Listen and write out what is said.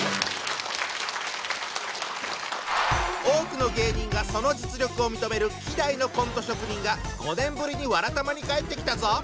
多くの芸人がその実力を認める希代のコント職人が５年ぶりに「わらたま」に帰ってきたぞ。